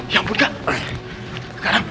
ya ampun kak